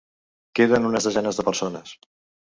Queden unes desenes de persones.